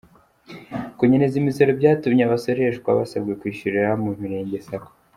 Kunyereza imisoro byatumye abasoreshwa basabwa kwishyurira mumirenge saco